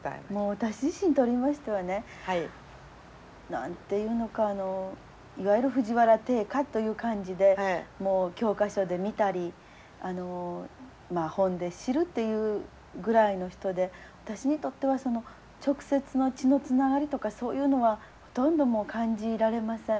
私自身にとりましてはね何て言うのかいわゆる藤原定家という感じでもう教科書で見たり本で知るというぐらいの人で私にとっては直接の血のつながりとかそういうのはほとんど感じられません。